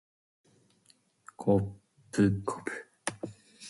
こっぷ